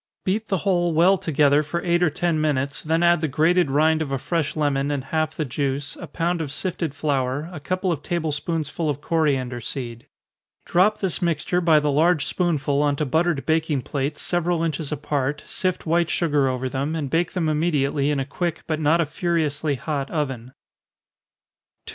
Beat the whole well together, for eight or ten minutes, then add the grated rind of a fresh lemon, and half the juice, a pound of sifted flour, a couple of table spoonsful of coriander seed. Drop this mixture by the large spoonful on to buttered baking plates, several inches apart, sift white sugar over them, and bake them immediately in a quick, but not a furiously hot oven. 221.